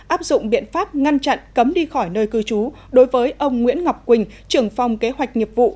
áp dụng biện pháp ngăn chặn cấm đi khỏi nơi cư trú đối với ông nguyễn ngọc quỳnh trưởng phòng kế hoạch nghiệp vụ